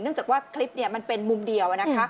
จากว่าคลิปมันเป็นมุมเดียว